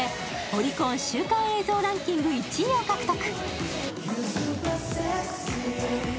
オリコン週間映像ランキング１位を獲得。